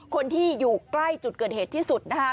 คนที่อยู่ใกล้จุดเกิดเหตุที่สุดนะคะ